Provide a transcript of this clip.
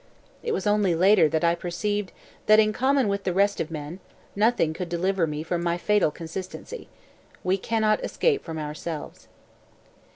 It was only later that I perceived that in common with the rest of men nothing could deliver me from my fatal consistency. We cannot escape from ourselves.